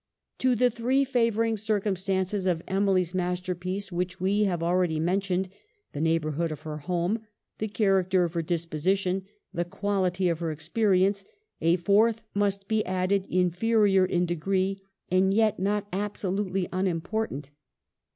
To the three favoring circumstances of Emily's masterpiece, which we have already mentioned — the neighborhood of her home, the character of her disposition, the quality of her experience — a fourth must be added, inferior in degree, and yet not absolutely unimportant.